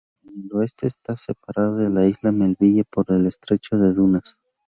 En el oeste, está separada de la Isla Melville por el estrecho de Dundas.